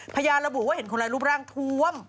พยานระบุว่าเห็นคนร้ายรูปร่างทวม